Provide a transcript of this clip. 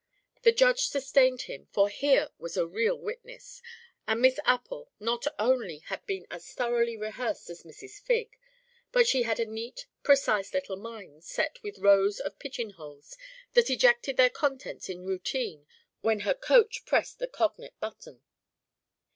The Judge sustained him, for here was a real witness, and Miss Appel not only had been as thoroughly rehearsed as Mrs. Figg, but she had a neat precise little mind set with rows of pigeonholes that ejected their contents in routine when her coach pressed the cognate button.